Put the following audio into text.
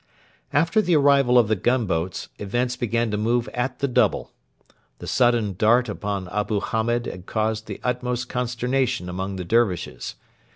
After the arrival of the gunboats events began to move at the double. The sudden dart upon Abu Hamed had caused the utmost consternation among the Dervishes.